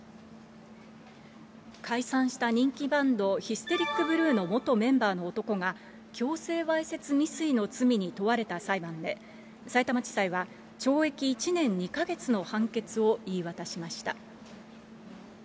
解散した人気バンド、ヒステリックブルーの元メンバーの男が、強制わいせつ未遂の罪に問われた裁判で、さいたま地裁は懲役１年２か月の判決を言い渡しました。